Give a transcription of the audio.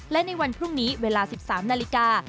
และในวันพรุ่งนี้เวลา๑๓นาฬิกา